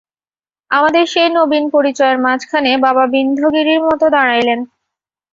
আমাদের সেই নবীন পরিচয়ের মাঝখানে বাবা বিন্ধ্যগিরির মতো দাঁড়াইলেন।